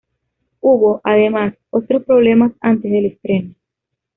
Hubo, además, otros problemas antes del estreno.